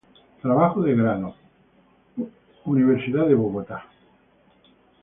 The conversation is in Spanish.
Trabajo de Grado, Pontificia Universidad Javeriana de Bogotá.